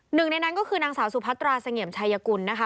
หนึ่งในนั้นก็คือนางสาวสุพัตราเสงี่ยมชายกุลนะคะ